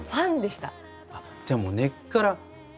じゃあもう根っから。